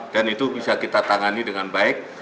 dan itu bisa kita tangani dengan baik